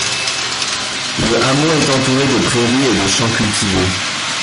Le hameau est entouré de prairies et de champs cultivés.